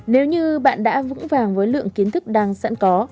nếu như bạn đã vững vàng với lượng kiến thức đang sẵn có